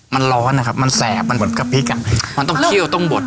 มันร้อนนะครับมันแสบมันบดกะพริกอ่ะมันต้องเคี่ยวต้องบด